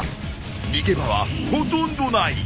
逃げ場はほとんどない！